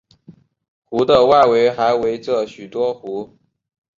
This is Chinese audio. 湖的外围还围着许多湖。